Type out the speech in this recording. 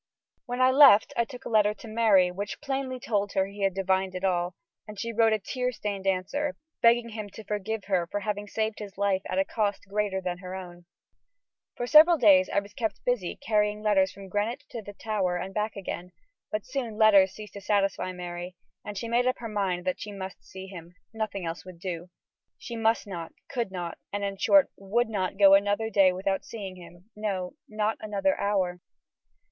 When I left I took a letter to Mary, which plainly told her he had divined it all, and she wrote a tear stained answer, begging him to forgive her for having saved his life at a cost greater than her own. For several days I was kept busy carrying letters from Greenwich to the Tower and back again, but soon letters ceased to satisfy Mary, and she made up her mind that she must see him. Nothing else would do. She must not, could not, and, in short, would not go another day without seeing him; no, not another hour.